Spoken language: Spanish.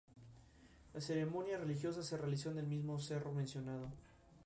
El tiempo del terror, el tiempo de las pesadillas, está llamando a la puerta.